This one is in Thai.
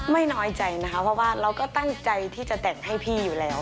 น้อยใจนะคะเพราะว่าเราก็ตั้งใจที่จะแต่งให้พี่อยู่แล้ว